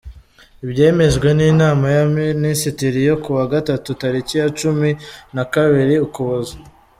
Ibyemejwe n’inama y’abaminisitiri yo ku wa Gatatu tariki ya cumi nakabiri Ukuboza